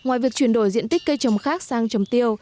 ngoài việc chuyển đổi diện tích cây trồng khác sang trồng tiêu